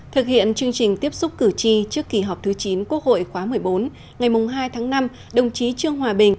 thực hiện chương trình tiếp xúc cử tri trước kỳ họp thứ chín quốc hội khóa một mươi bốn ngày hai tháng năm đồng chí trương hòa bình